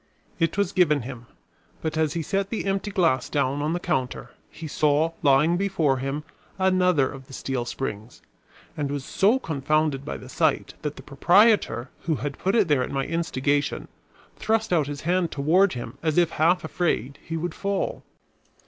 It was given him; but as he set the empty glass down on the counter, he saw lying before him another of the steel springs, and was so confounded by the sight that the proprietor, who had put it there at my instigation, thrust out his hand toward him as if half afraid he would fall.